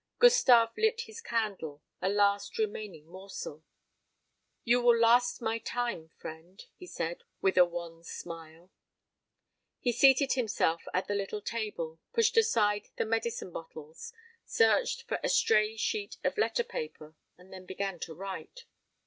Gustave lit his candle, a last remaining morsel. "You will last my time, friend," he said, with a wan smile. He seated himself at the little table, pushed aside the medicine bottles, searched for a stray sheet of letter paper, and then began to write.